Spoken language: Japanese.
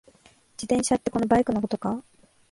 自転車ってこのバイクのことか？